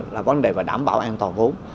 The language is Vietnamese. là vấn đề về đảm bảo an toàn vốn